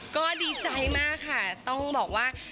ก็ดีใจมากค่ะต้องบอกว่า